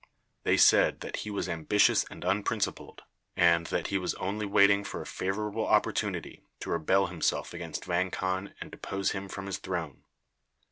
They said that he was ambitious and unprincipled, and that he was only waiting for a favorable opportunity to rebel himself against Vang Khan and depose him from his throne.